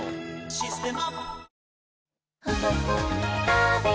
「システマ」